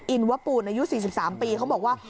อินวปูนอายุ๔๓ปีเขาบอกว่า